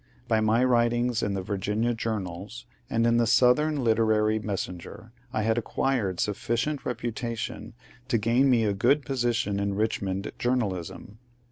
By my writings in the Virginia journals and in the "Southern Literary Messen ger," I had acquired sufficient reputation to gain me a good position in Richmond journalism.